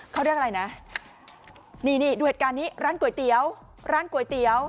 เขาเรียกอะไรนะนี่นี่ดูเหตุการณ์นี้ร้านก๋วยเตี๋ยวร้านก๋วยเตี๋ยว